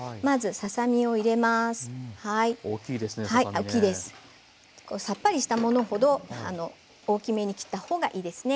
さっぱりしたものほど大きめに切ったほうがいいですね。